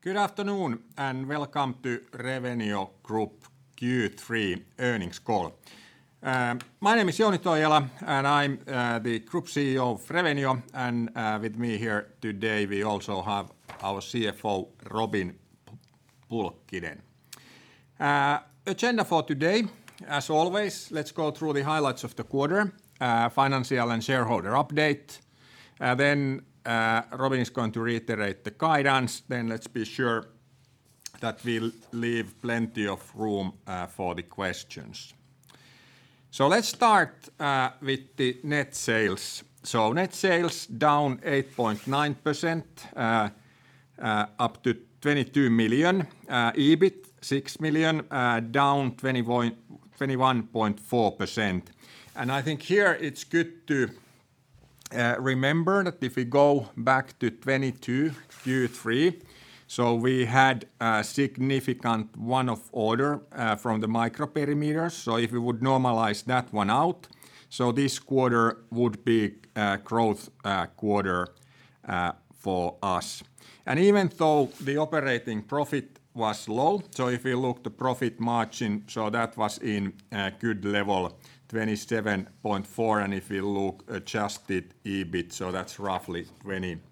Good afternoon, and welcome to Revenio Group Q3 earnings call. My name is Jouni Toijala, and I'm the Group CEO of Revenio, and with me here today, we also have our CFO, Robin Pulkkinen. Agenda for today, as always, let's go through the highlights of the quarter, financial and shareholder update. Then, Robin is going to reiterate the guidance, then let's be sure that we'll leave plenty of room for the questions. So let's start with the net sales. So net sales down 8.9%, up to 22 million. EBIT, 6 million, down 21.4%. And I think here it's good to remember that if we go back to 2022 Q3, so we had a significant one-off order from the microperimeters. So if we would normalize that one out, so this quarter would be a growth quarter for us. And even though the operating profit was low, so if you look the profit margin, so that was in a good level, 27.4, and if you look Adjusted EBIT, so that's roughly 28%.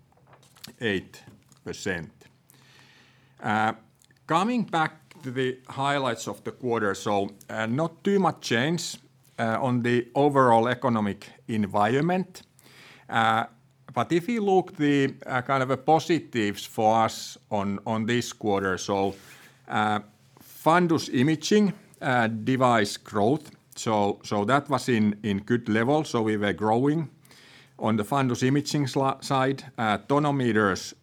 Coming back to the highlights of the quarter, so not too much change on the overall economic environment. But if you look the kind of a positives for us on this quarter, so fundus imaging device growth, so that was in good level, so we were growing on the fundus imaging side. Tonometers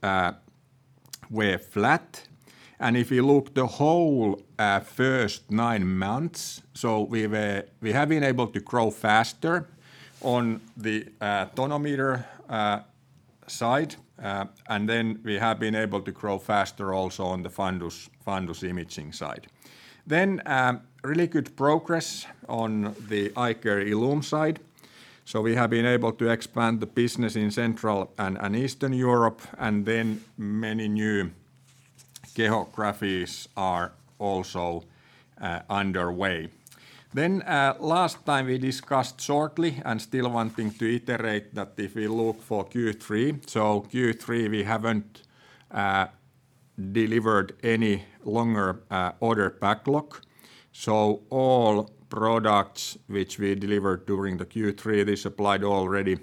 were flat, and if you look the whole first nine months, so we have been able to grow faster on the tonometer side, and then we have been able to grow faster also on the fundus imaging side. Then, really good progress on the iCare ILLUME side. So we have been able to expand the business in Central and Eastern Europe, and then many new geographies are also underway. Then, last time we discussed shortly, and still one thing to iterate, that if we look for Q3, so Q3, we haven't delivered any longer order backlog. So all products which we delivered during the Q3, they supplied already,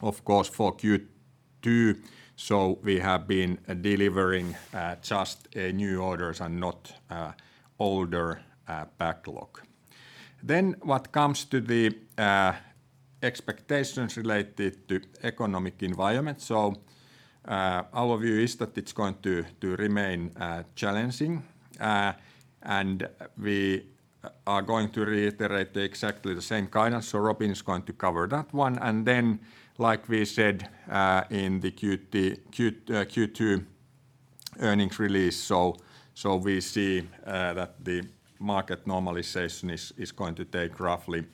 of course, for Q2, so we have been delivering just new orders and not older backlog. Then what comes to the expectations related to economic environment, so our view is that it's going to remain challenging, and we are going to reiterate exactly the same guidance, so Robin is going to cover that one. Then, like we said, in the Q2 earnings release, so we see that the market normalization is going to take roughly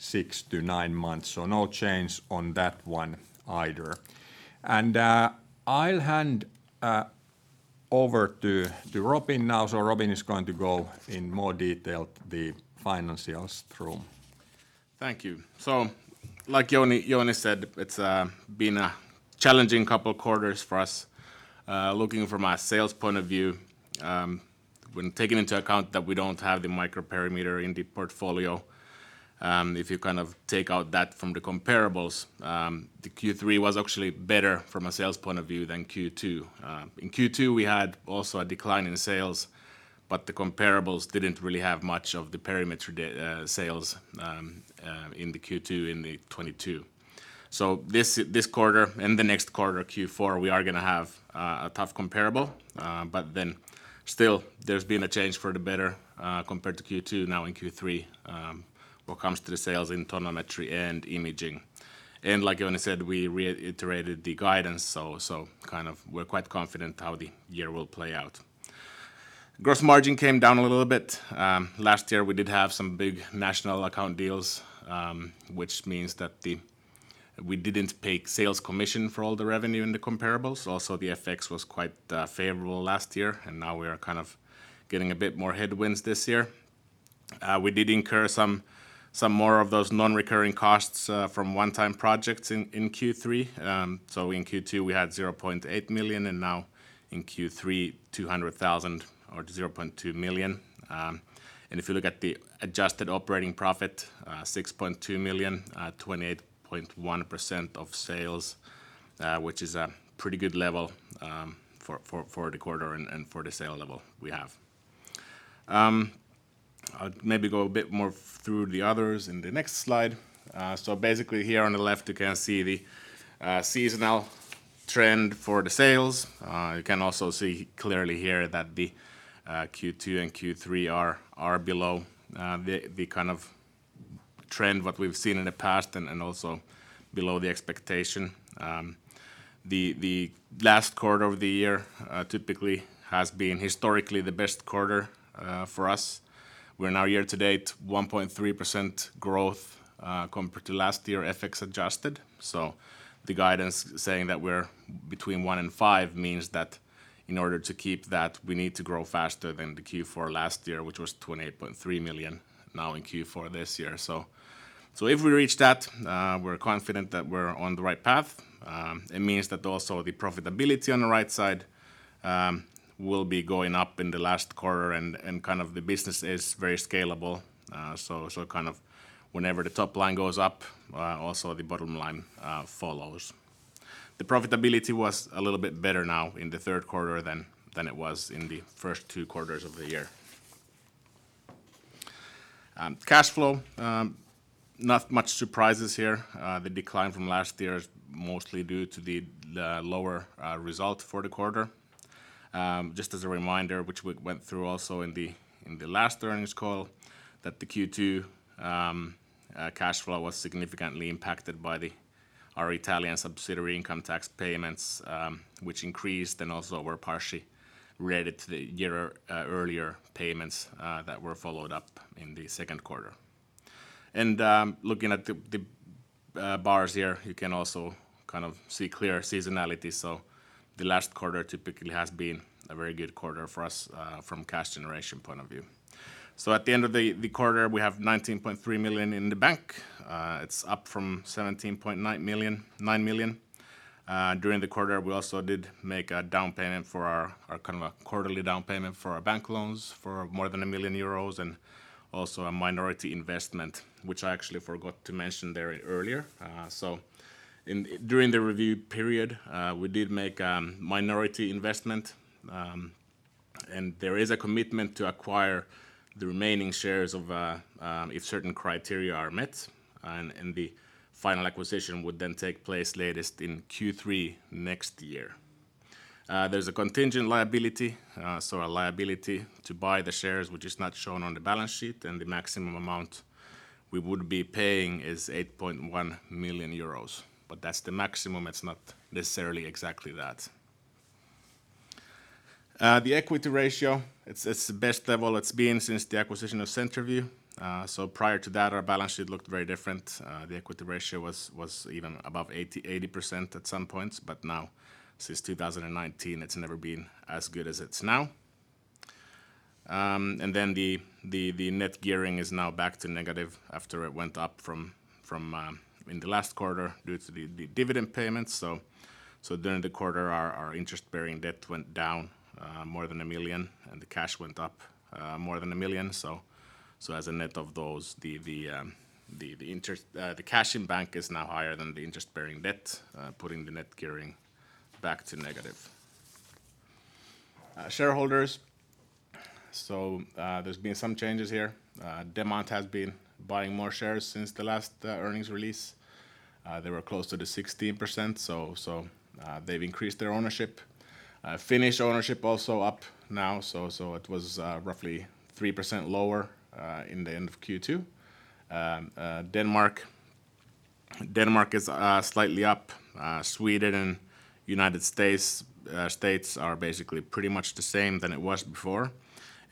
6-9 months. So no change on that one either. I'll hand over to Robin now. So Robin is going to go in more detail the financials through. Thank you. So like Jouni, Jouni said, it's been a challenging couple of quarters for us. Looking from a sales point of view, when taking into account that we don't have the microperimeter in the portfolio, if you kind of take out that from the comparables, the Q3 was actually better from a sales point of view than Q2. In Q2, we had also a decline in sales, but the comparables didn't really have much of the perimeter sales in the Q2 in the 2022. So this, this quarter and the next quarter, Q4, we are gonna have a tough comparable, but then still, there's been a change for the better, compared to Q2, now in Q3, when it comes to the sales in tonometry and imaging. Like Jouni said, we reiterated the guidance, so kind of we're quite confident how the year will play out. Gross margin came down a little bit. Last year, we did have some big national account deals, which means that we didn't pay sales commission for all the revenue in the comparables. Also, the FX was quite favorable last year, and now we are kind of getting a bit more headwinds this year. We did incur some more of those non-recurring costs from one-time projects in Q3. So in Q2, we had 0.8 million, and now in Q3, 200,000 or 0.2 million. And if you look at the adjusted operating profit, 6.2 million, 28.1% of sales, which is a pretty good level, for the quarter and for the sale level we have. I'll maybe go a bit more through the others in the next slide. So basically here on the left, you can see the seasonal trend for the sales. You can also see clearly here that the Q2 and Q3 are below the kind of trend what we've seen in the past and also below the expectation. The last quarter of the year typically has been historically the best quarter for us. We're now year to date, 1.3% growth compared to last year, FX adjusted. So the guidance saying that we're-... between one and five means that in order to keep that, we need to grow faster than the Q4 last year, which was 28.3 million, now in Q4 this year. So if we reach that, we're confident that we're on the right path. It means that also the profitability on the right side will be going up in the last quarter and kind of the business is very scalable. So kind of whenever the top line goes up, also the bottom line follows. The profitability was a little bit better now in the third quarter than it was in the first two quarters of the year. Cash flow, not much surprises here. The decline from last year is mostly due to the lower result for the quarter. Just as a reminder, which we went through also in the last earnings call, that the Q2 cash flow was significantly impacted by our Italian subsidiary income tax payments, which increased and also were partially related to the year earlier payments that were followed up in the second quarter. Looking at the bars here, you can also kind of see clear seasonality. The last quarter typically has been a very good quarter for us from cash generation point of view. At the end of the quarter, we have 19.3 million in the bank. It's up from 17.9 million, 9 million. During the quarter, we also did make a down payment for our... our kind of a quarterly down payment for our bank loans for more than 1 million euros, and also a minority investment, which I actually forgot to mention there earlier. So during the review period, we did make, minority investment, and there is a commitment to acquire the remaining shares of, if certain criteria are met, and the final acquisition would then take place latest in Q3 next year. There's a contingent liability, so a liability to buy the shares, which is not shown on the balance sheet, and the maximum amount we would be paying is 8.1 million euros. But that's the maximum, it's not necessarily exactly that. The equity ratio, it's the best level it's been since the acquisition of CenterVue. So prior to that, our balance sheet looked very different. The equity ratio was even above 80% at some points, but now, since 2019, it's never been as good as it's now. And then the net gearing is now back to negative after it went up from in the last quarter due to the dividend payments. So during the quarter, our interest-bearing debt went down more than 1 million, and the cash went up more than 1 million. So as a net of those, the interest, the cash in bank is now higher than the interest-bearing debt, putting the net gearing back to negative. Shareholders, so there's been some changes here. Demant has been buying more shares since the last earnings release. They were close to the 16%, so they've increased their ownership. Finnish ownership also up now, so it was roughly 3% lower in the end of Q2. Denmark is slightly up. Sweden and United States, States are basically pretty much the same than it was before.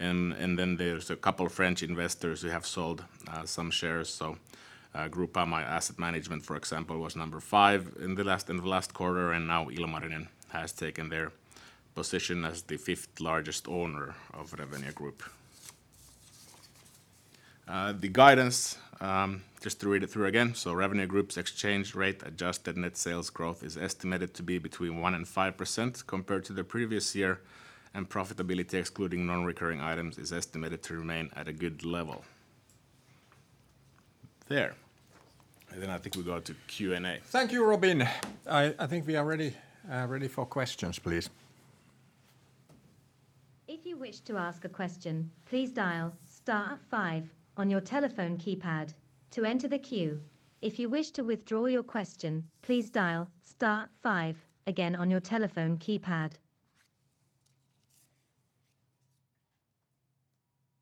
And then there's a couple of French investors who have sold some shares. So, Groupama Asset Management, for example, was number five in the last quarter, and now Ilmarinen has taken their position as the fifth largest owner of Revenio Group. The guidance just to read it through again. Revenio Group's exchange rate adjusted net sales growth is estimated to be between 1% and 5% compared to the previous year, and profitability, excluding non-recurring items, is estimated to remain at a good level. There. Then I think we go to Q&A. Thank you, Robin. I think we are ready for questions, please. If you wish to ask a question, please dial star five on your telephone keypad to enter the queue. If you wish to withdraw your question, please dial star five again on your telephone keypad.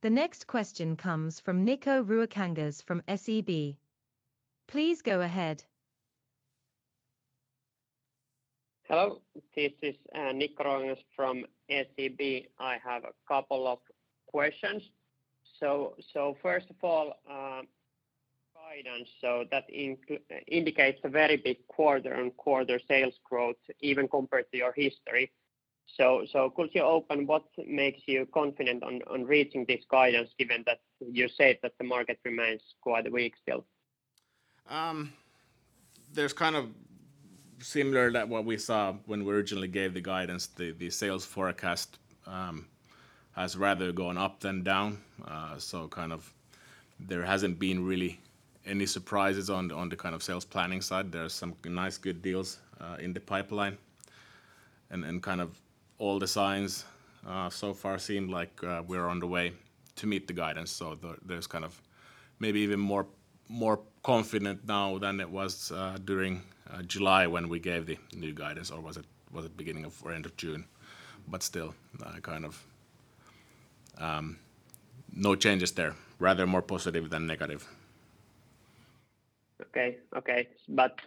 The next question comes from Niko Ruokangas from SEB. Please go ahead. Hello, this is, Niko Ruokangas from SEB. I have a couple of questions. So, so first of all, guidance, so that indicates a very big quarter-on-quarter sales growth, even compared to your history. So, so could you open what makes you confident on, on reaching this guidance, given that you said that the market remains quite weak still? There's kind of similar to what we saw when we originally gave the guidance. The sales forecast has rather gone up than down. So kind of there hasn't been really any surprises on the kind of sales planning side. There are some nice, good deals in the pipeline, and kind of all the signs so far seem like we're on the way to meet the guidance. So there's kind of maybe even more confident now than it was during July, when we gave the new guidance, or was it beginning of or end of June? But still, kind of no changes there. Rather more positive than negative. Okay, okay. But,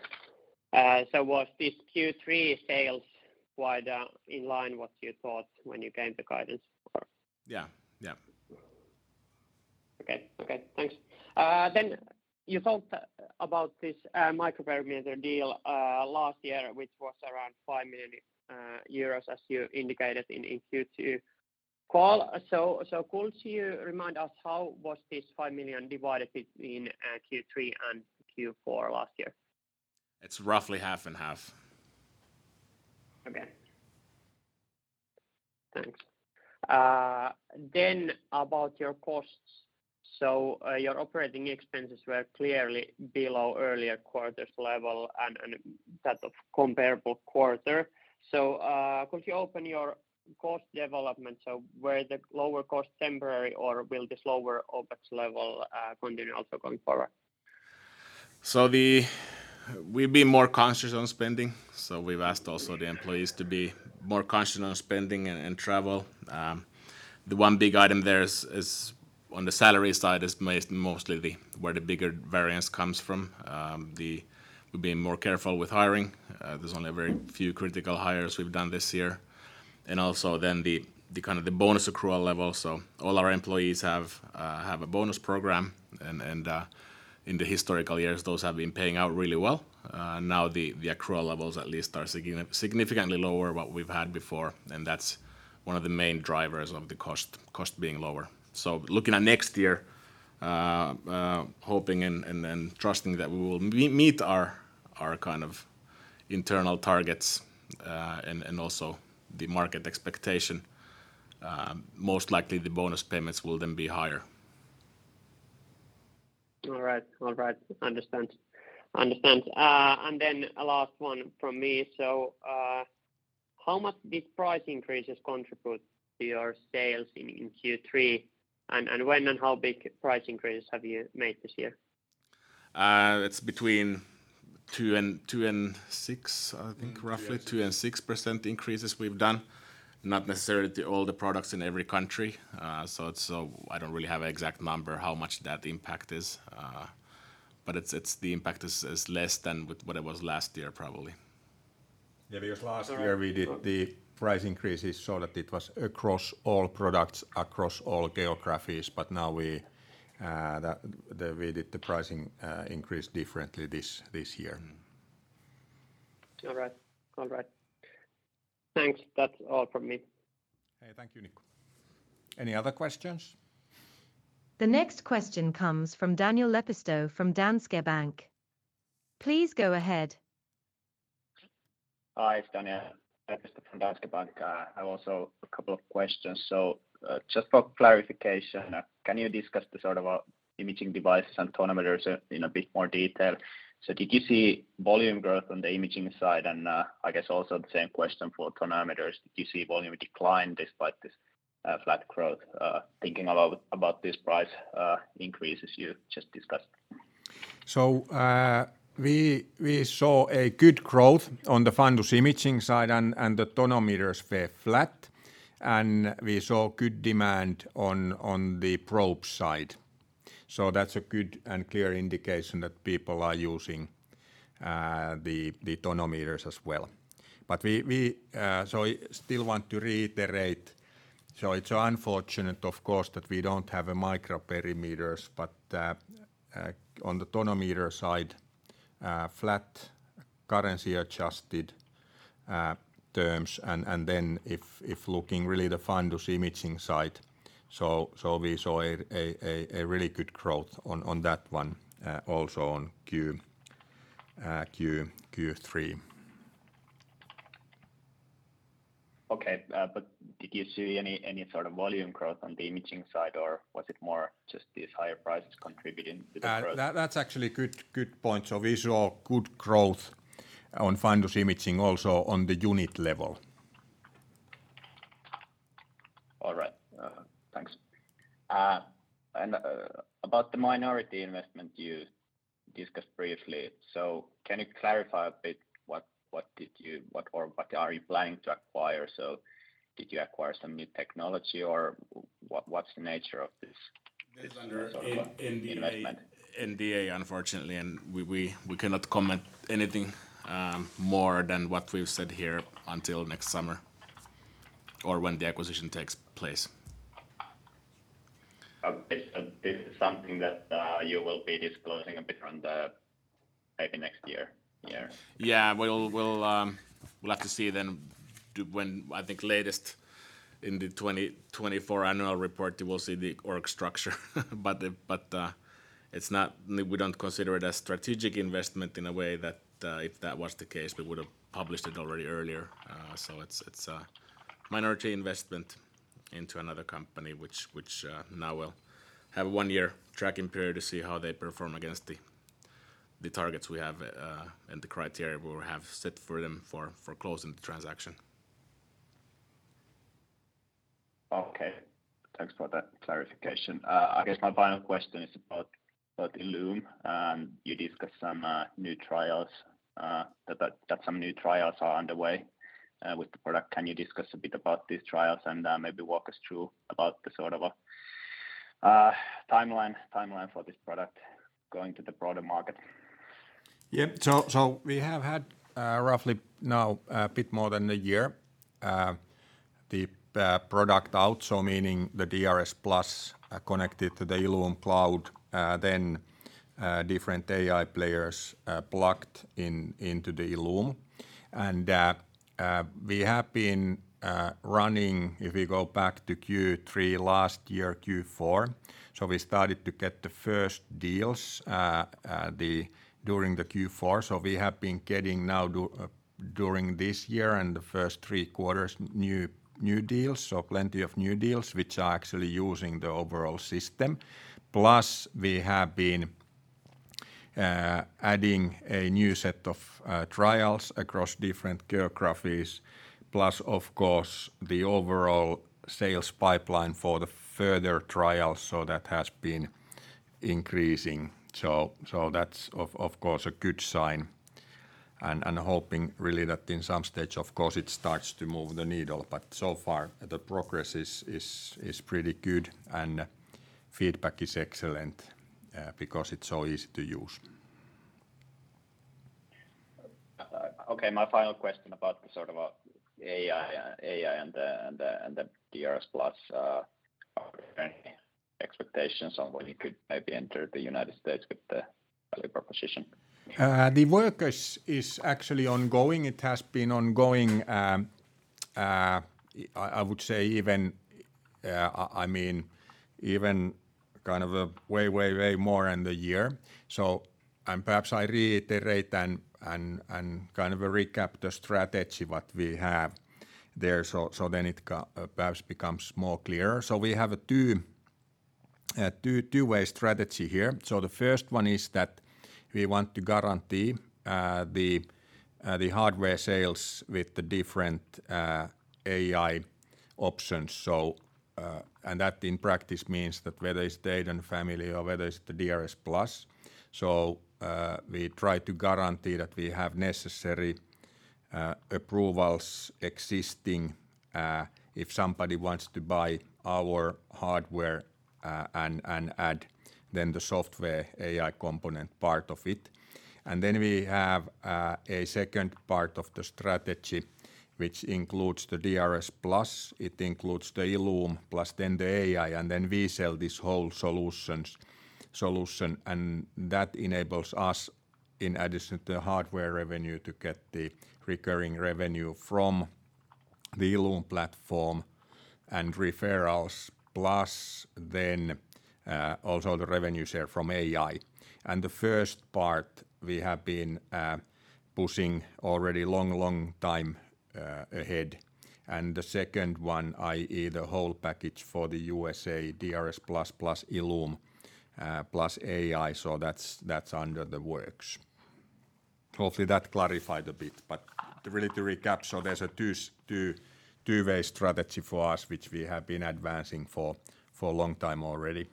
so was this Q3 sales quite in line what you thought when you gave the guidance or? Yeah. Yeah.... Okay, okay, thanks. Then you talked about this microperimeter deal last year, which was around 5 million euros, as you indicated in Q2 call. Could you remind us how was this 5 million divided between Q3 and Q4 last year? It's roughly 50/50. Okay. Thanks. Then about your costs. So, your operating expenses were clearly below earlier quarters level and that of comparable quarter. So, could you open your cost development? So were the lower cost temporary, or will this lower OpEx level continue also going forward? So we've been more conscious on spending, so we've asked also the employees to be more conscious on spending and travel. The one big item there is on the salary side, mostly where the bigger variance comes from. We're being more careful with hiring. There's only a very few critical hires we've done this year, and also the kind of the bonus accrual level. So all our employees have a bonus program, and in the historical years, those have been paying out really well. Now the accrual levels at least are significantly lower what we've had before, and that's one of the main drivers of the cost, cost being lower. So looking at next year, hoping and trusting that we will meet our kind of internal targets, and also the market expectation, most likely the bonus payments will then be higher. All right. All right. Understand. Understand. And then a last one from me. So, how much these price increases contribute to your sales in Q3, and when and how big price increases have you made this year? It's between 2% and 6%, I think, roughly 2%-6% increases we've done, not necessarily all the products in every country. So it's, I don't really have an exact number how much that impact is, but it's the impact is less than what it was last year, probably. Yeah, because last year we did the price increases, so that it was across all products, across all geographies, but now we did the pricing increase differently this year. All right. All right. Thanks. That's all from me. Hey, thank you, Niko. Any other questions? The next question comes from Daniel Lepistö from Danske Bank. Please go ahead. Hi, it's Daniel Lepistö from Danske Bank. I've also a couple of questions. So, just for clarification, can you discuss the sort of, imaging devices and tonometers in a bit more detail? So did you see volume growth on the imaging side? And, I guess also the same question for tonometers. Did you see volume decline despite this, flat growth, thinking a lot about this price, increases you just discussed? So, we saw a good growth on the fundus imaging side, and the tonometers were flat, and we saw good demand on the probe side. So that's a good and clear indication that people are using the tonometers as well. But we still want to reiterate, so it's unfortunate, of course, that we don't have microperimeters, but on the tonometer side, flat currency-adjusted terms, and then if looking really the fundus imaging side, so we saw a really good growth on that one, also on Q3. Okay, but did you see any sort of volume growth on the imaging side, or was it more just these higher prices contributing to the growth? That's actually a good, good point. So we saw good growth on fundus imaging, also on the unit level. All right. Thanks. And about the minority investment you discussed briefly, so can you clarify a bit what, what did you... What or what are you planning to acquire? So did you acquire some new technology or what, what's the nature of this- This is under- - investment?... NDA, unfortunately, and we cannot comment anything more than what we've said here until next summer or when the acquisition takes place. Okay. So this is something that, you will be disclosing a bit on the, maybe next year? Yeah. Yeah. We'll have to see then, I think latest in the 2024 annual report, you will see the org structure. But it's not- we don't consider it a strategic investment in a way that, if that was the case, we would have published it already earlier. So it's a minority investment into another company, which now will have a one-year tracking period to see how they perform against the targets we have, and the criteria we will have set for them for closing the transaction. Okay, thanks for that clarification. I guess my final question is about ILLUME. You discussed some new trials that are underway with the product. Can you discuss a bit about these trials and maybe walk us through about the sort of a timeline for this product going to the broader market?... Yep, so, so we have had, roughly now, a bit more than a year, the product out, so meaning the DRSplus, connected to the ILLUME cloud, then different AI players, plugged in into the ILLUME. And we have been running, if we go back to Q3 last year, Q4, so we started to get the first deals, during the Q4. So we have been getting now during this year and the first three quarters, new, new deals, so plenty of new deals, which are actually using the overall system. Plus, we have been adding a new set of trials across different geographies, plus, of course, the overall sales pipeline for the further trials, so that has been increasing. So that's of course a good sign, and hoping really that in some stage, of course, it starts to move the needle. But so far, the progress is pretty good, and feedback is excellent, because it's so easy to use. Okay, my final question about the sort of AI and the DRSplus, are there any expectations on when you could maybe enter the United States with the value proposition? The work is actually ongoing. It has been ongoing. I would say even, I mean, even kind of a way more than a year. So, and perhaps I reiterate and kind of recap the strategy what we have there, so then it perhaps becomes more clearer. So we have a two-way strategy here. So the first one is that we want to guarantee the hardware sales with the different AI options. So, and that in practice means that whether it's EIDON family or whether it's the DRSplus, so we try to guarantee that we have necessary approvals existing, if somebody wants to buy our hardware, and add then the software AI component part of it. And then we have a second part of the strategy, which includes the DRSplus, it includes the ILLUME, plus then the AI, and then we sell this whole solution, and that enables us, in addition to the hardware revenue, to get the recurring revenue from the ILLUME platform and referrals, plus then also the revenue share from AI. And the first part, we have been pushing already long, long time ahead. And the second one, i.e., the whole package for the USA, DRSplus, plus ILLUME, plus AI, so that's under the works. Hopefully, that clarified a bit. But really to recap, so there's a two, two-way strategy for us, which we have been advancing for a long time already.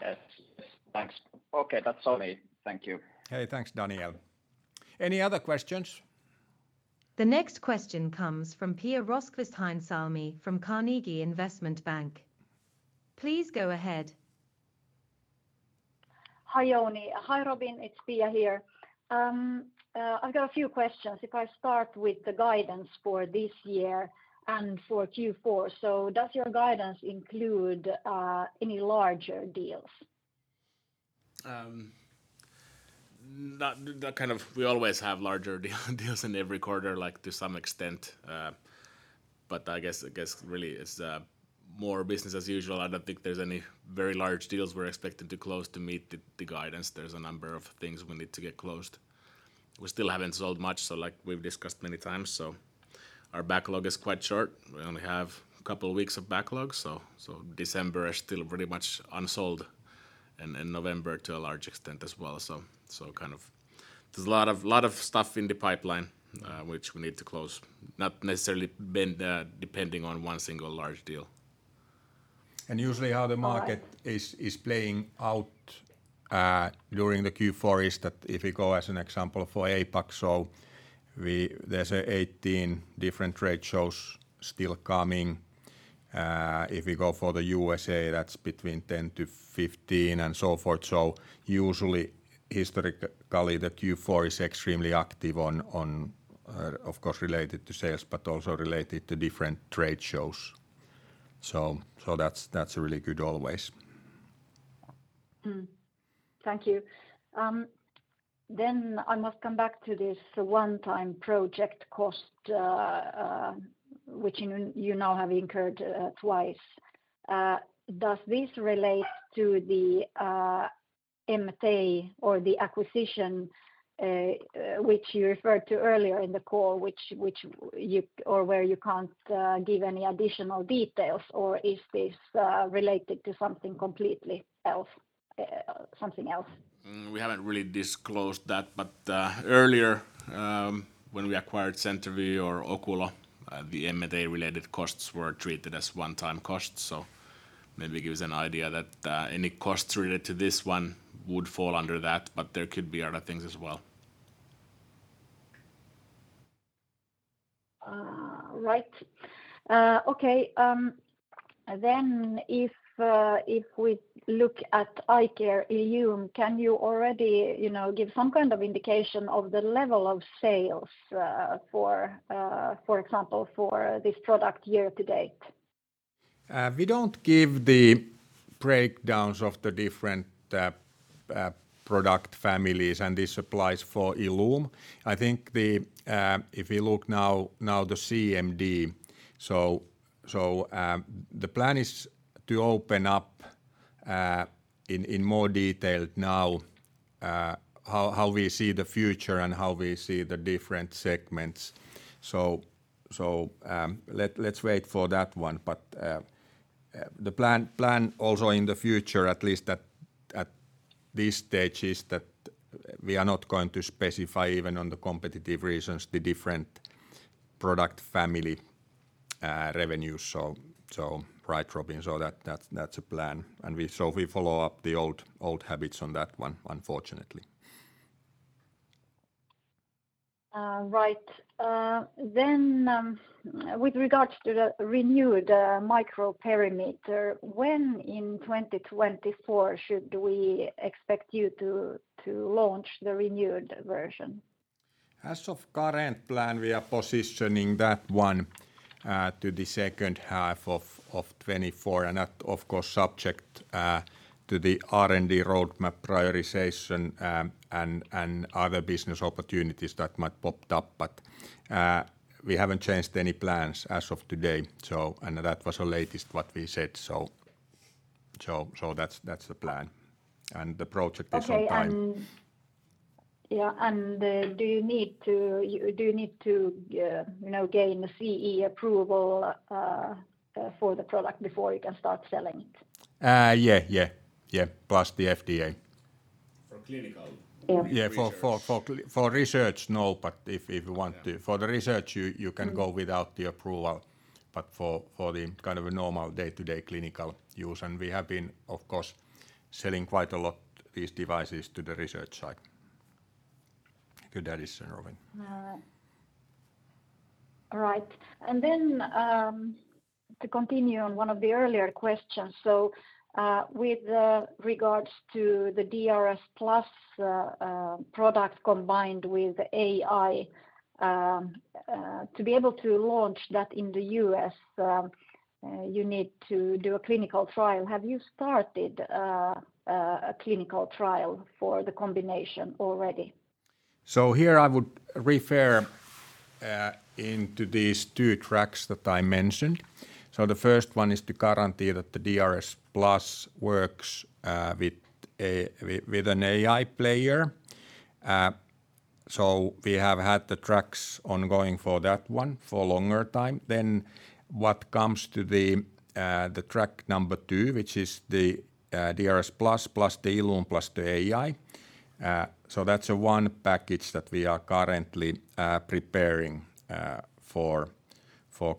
Yes. Yes. Thanks. Okay, that's all me. Thank you. Hey, thanks, Daniel. Any other questions? The next question comes from Pia Rosqvist-Heinsalmi, from Carnegie Investment Bank. Please go ahead. Hi, Jouni. Hi, Robin. It's Pia here. I've got a few questions. If I start with the guidance for this year and for Q4. So does your guidance include any larger deals? Not kind of... We always have larger deals in every quarter, like, to some extent, but I guess really it's more business as usual. I don't think there's any very large deals we're expected to close to meet the guidance. There's a number of things we need to get closed. We still haven't sold much, so like we've discussed many times, so our backlog is quite short. We only have a couple of weeks of backlog, so December is still pretty much unsold, and November to a large extent as well. So kind of there's a lot of stuff in the pipeline, which we need to close, not necessarily depending on one single large deal. Usually how the market- All right... is playing out during the Q4, is that if you go as an example for APAC, so there's 18 different trade shows still coming. If you go for the USA, that's between 10-15, and so forth. So usually, historically, the Q4 is extremely active, of course, related to sales, but also related to different trade shows. So that's really good always. Thank you. Then I must come back to this one-time project cost, which you now have incurred twice. Does this relate to the M&A or the acquisition, which you referred to earlier in the call, or where you can't give any additional details, or is this related to something completely else, something else? We haven't really disclosed that, but earlier, when we acquired CenterVue or Oculo, the M&A-related costs were treated as one-time costs. So maybe it gives an idea that any costs related to this one would fall under that, but there could be other things as well.... Right. Okay, then if we look at iCare ILLUME, can you already, you know, give some kind of indication of the level of sales, for example, for this product year to date? We don't give the breakdowns of the different product families, and this applies for ILLUME. I think if you look now, now the CMD, so, so, the plan is to open up in more detail now how we see the future and how we see the different segments. So, so, let's wait for that one. But the plan also in the future, at least at this stage, is that we are not going to specify, even on the competitive reasons, the different product family revenues. So, so right, Robin, so that's the plan. And so we follow up the old habits on that one, unfortunately. Right. Then, with regards to the renewed microperimeter, when in 2024 should we expect you to launch the renewed version? As of current plan, we are positioning that one to the second half of 2024, and that, of course, subject to the R&D roadmap prioritization, and other business opportunities that might popped up. But, we haven't changed any plans as of today, so... And that was the latest what we said, so that's the plan, and the project is on time. Okay, and yeah, and, do you need to, you know, gain CE approval for the product before you can start selling it? Yeah, yeah, yeah, plus the FDA. For clinical- Yeah... Yeah, for research, no, but if you want to- Yeah. For the research, you can go without the approval, but for the kind of a normal day-to-day clinical use, and we have been, of course, selling quite a lot these devices to the research side. Good addition, Robin. All right. And then, to continue on one of the earlier questions, so, with regards to the DRSplus product combined with AI, to be able to launch that in the US, you need to do a clinical trial. Have you started a clinical trial for the combination already? So here I would refer into these two tracks that I mentioned. So the first one is to guarantee that the DRSplus works with an AI player. So we have had the tracks ongoing for that one for longer time. Then what comes to the track number two, which is the DRSplus, plus the ILLUME, plus the AI, so that's a one package that we are currently preparing for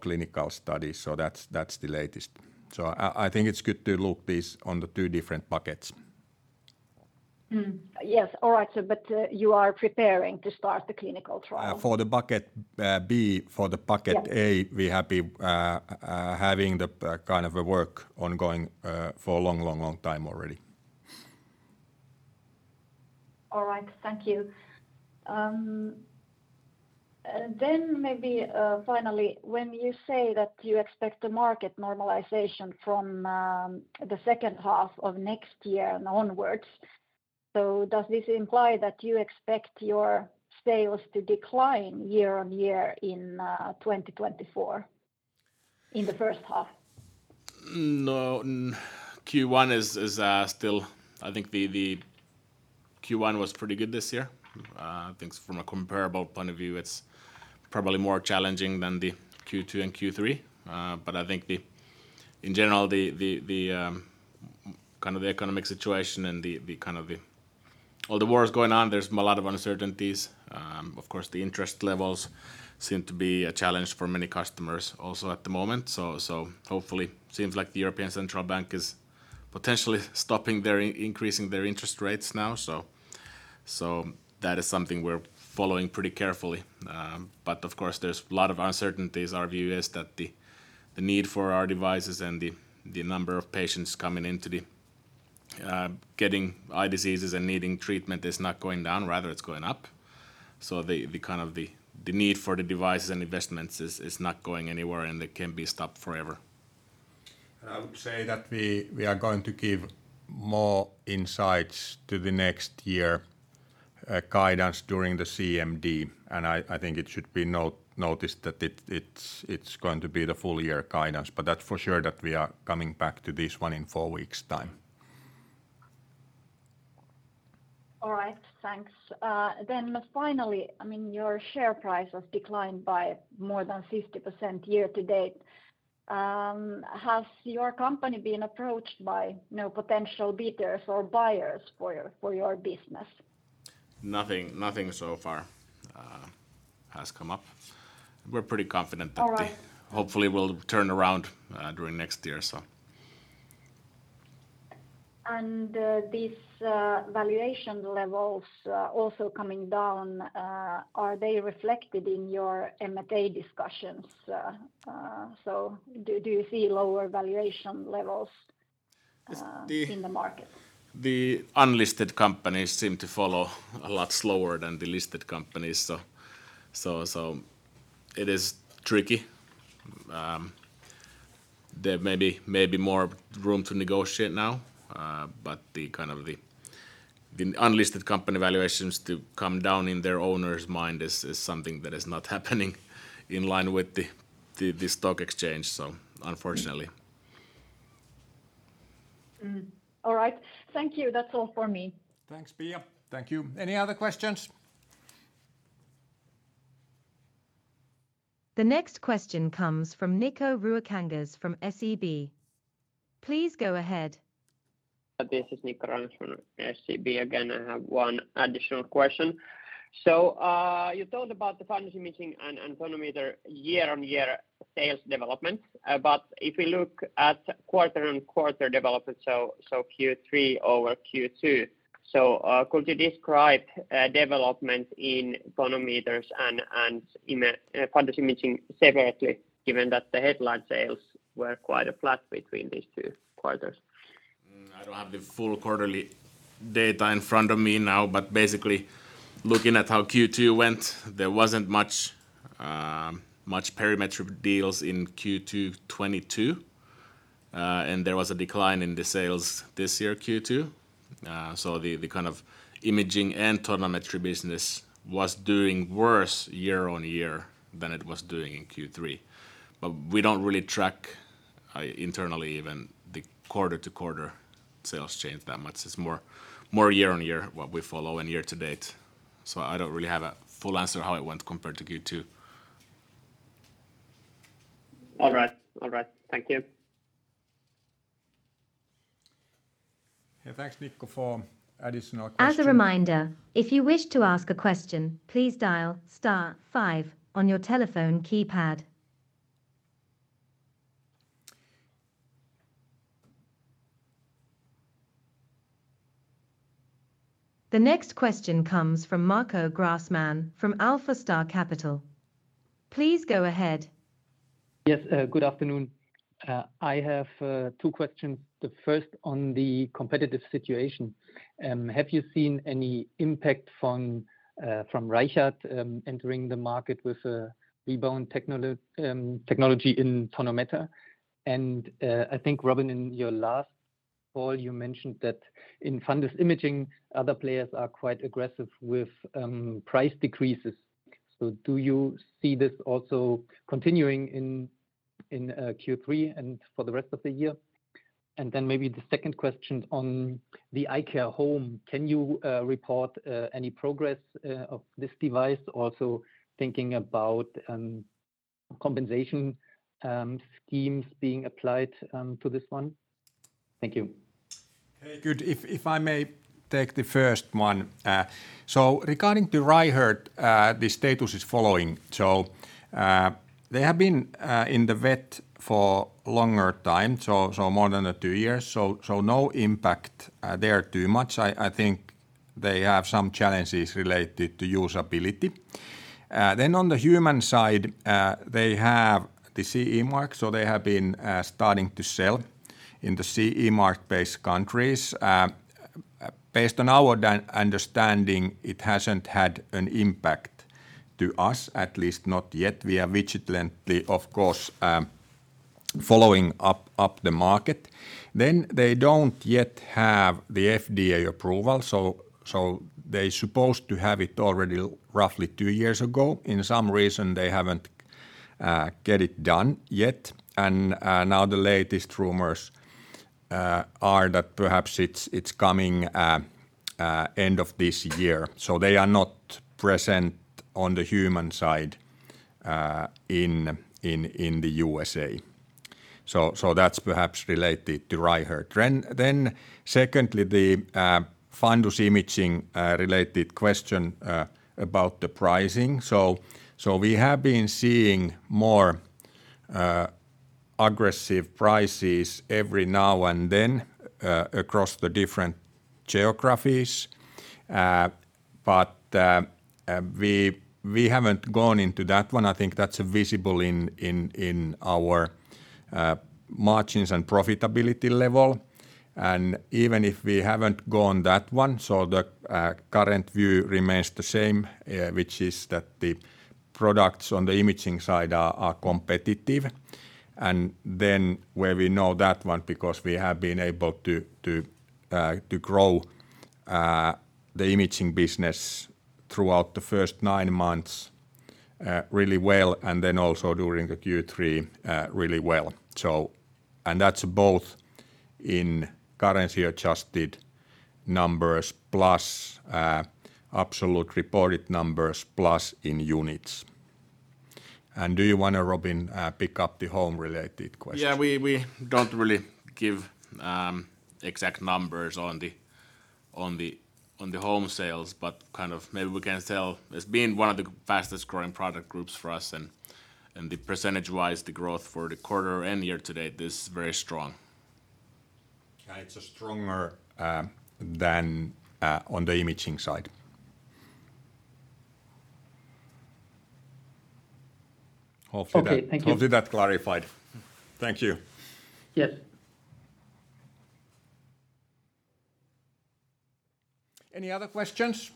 clinical studies. So that's the latest. So I think it's good to look this on the two different buckets. Yes. All right, so but, you are preparing to start the clinical trial? For the bucket, B. For the bucket- Yeah... we have been having the kind of a work ongoing for a long, long, long time already. All right. Thank you. And then maybe, finally, when you say that you expect the market normalization from the second half of next year and onwards, so does this imply that you expect your sales to decline year on year in 2024, in the first half? No, Q1 is still... I think the Q1 was pretty good this year. I think from a comparable point of view, it's probably more challenging than the Q2 and Q3. But I think in general the kind of the economic situation and the kind of the... All the wars going on, there's a lot of uncertainties. Of course, the interest levels seem to be a challenge for many customers also at the moment. So hopefully, seems like the European Central Bank is potentially stopping their increasing their interest rates now. So that is something we're following pretty carefully. But of course, there's a lot of uncertainties. Our view is that the need for our devices and the number of patients getting eye diseases and needing treatment is not going down, rather it's going up. So the kind of need for the devices and investments is not going anywhere, and it can't be stopped forever. I would say that we are going to give more insights to the next year guidance during the CMD. I think it should be noticed that it's going to be the full year guidance, but that's for sure that we are coming back to this one in four weeks' time. All right. Thanks. Then finally, I mean, your share price has declined by more than 50% year to date. Has your company been approached by any potential bidders or buyers for your business? Nothing, nothing so far, has come up. We're pretty confident that- All right... hopefully, we'll turn around during next year, so.... and these valuation levels also coming down, are they reflected in your M&A discussions? So do you see lower valuation levels in the market? The unlisted companies seem to follow a lot slower than the listed companies, so it is tricky. There may be more room to negotiate now, but the kind of the unlisted company valuations to come down in their owner's mind is something that is not happening in line with the stock exchange, so unfortunately. Mm. All right. Thank you. That's all for me. Thanks, Pia. Thank you. Any other questions? The next question comes from Niko Ruokangas from SEB. Please go ahead. This is Niko Ruokangas from SEB again. I have one additional question. So, you talked about the fundus imaging and tonometer year-on-year sales development. But if we look at quarter-on-quarter development, so Q3 over Q2, so could you describe development in tonometers and fundus imaging separately, given that the headline sales were quite flat between these two quarters? I don't have the full quarterly data in front of me now, but basically, looking at how Q2 went, there wasn't much, much pandemic deals in Q2 2022. There was a decline in the sales this year, Q2. So the kind of imaging and tonometry business was doing worse year-on-year than it was doing in Q3. But we don't really track internally even, the quarter-to-quarter sales change that much. It's more, more year-on-year, what we follow, and year-to-date. So I don't really have a full answer how it went compared to Q2. All right. All right. Thank you. Yeah, thanks, Niko, for additional question. As a reminder, if you wish to ask a question, please dial star five on your telephone keypad. The next question comes from Marko Graßmann from Alpha Star Capital. Please go ahead. Yes, good afternoon. I have two questions. The first on the competitive situation. Have you seen any impact from Reichert entering the market with rebound technology in tonometer? And I think, Robin, in your last call, you mentioned that in fundus imaging, other players are quite aggressive with price decreases. So do you see this also continuing in Q3 and for the rest of the year? And then maybe the second question on the iCare HOME. Can you report any progress of this device, also thinking about compensation schemes being applied to this one? Thank you. Hey, good. If I may take the first one. So regarding to Reichert, the status is following: so, they have been in the vet for longer time, so more than two years, so no impact there too much. I think they have some challenges related to usability. Then on the human side, they have the CE mark, so they have been starting to sell in the CE mark-based countries. Based on our understanding, it hasn't had an impact to us, at least not yet. We are vigilantly, of course, following up on the market. Then they don't yet have the FDA approval, so they supposed to have it already roughly two years ago. For some reason, they haven't get it done yet. Now the latest rumors are that perhaps it's, it's coming end of this year. So they are not present on the human side in the USA. So that's perhaps related to Reichert. Then secondly, the fundus imaging related question about the pricing. So we have been seeing more aggressive prices every now and then across the different geographies. But we haven't gone into that one. I think that's visible in our margins and profitability level. And even if we haven't gone that one, so the current view remains the same, which is that the products on the imaging side are competitive. And then we know that one, because we have been able to grow the imaging business throughout the first nine months really well, and then also during the Q3 really well. So. And that's both in currency-adjusted numbers, plus absolute reported numbers, plus in units. And do you wanna, Robin, pick up the home related question? Yeah, we don't really give exact numbers on the home sales, but kind of maybe we can tell it's been one of the fastest growing product groups for us and the percentage-wise, the growth for the quarter and year to date is very strong. It's stronger than on the imaging side. Hopefully, that- Okay. Thank you. Hopefully, that clarified. Thank you. Yes. Any other questions?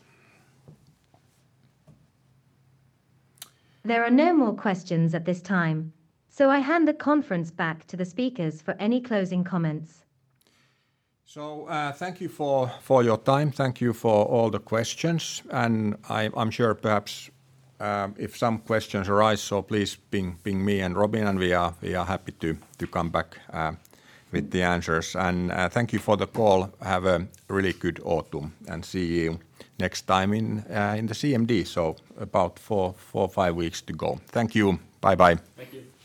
There are no more questions at this time, so I hand the conference back to the speakers for any closing comments. Thank you for your time. Thank you for all the questions, and I'm sure perhaps if some questions arise, so please ping me and Robin, and we are happy to come back with the answers. Thank you for the call. Have a really good autumn, and see you next time in the CMD, so about four or five weeks to go. Thank you. Bye-bye. Thank you.